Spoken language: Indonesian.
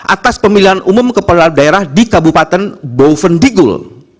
atas pemilihan umum kepala daerah di kabupaten bovendigul